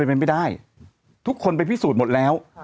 เป็นไปได้ทุกคนไปพิสูจน์หมดแล้ว